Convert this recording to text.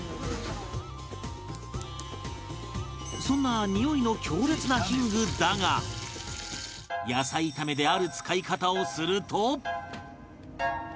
そんなにおいの強烈なヒングだが野菜炒めである使い方をすると